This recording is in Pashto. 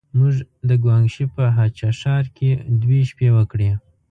موږ د ګوانګ شي په هه چه ښار کې دوې شپې وکړې.